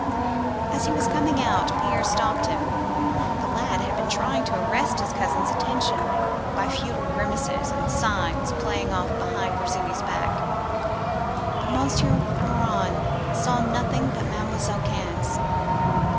"As he was coming out, Pierre stopped him. The lad had been trying to arrest his cousin's attention by futile grimaces and signs played off behind Virginie's back: but Monsieur Morin saw nothing but Mademoiselle Cannes.